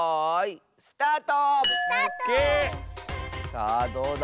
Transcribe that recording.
さあどうだ？